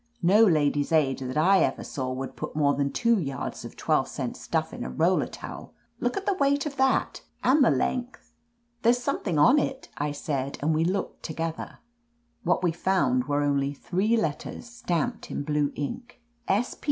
"No Ladies' Aid that I ever saw would put more than two yards of twelve cent stuflf in a roller towel. Look at the weight of that, and the length !" "There's something on it," I said, and we looked together. What we found were only three letters, stamped in blue ink.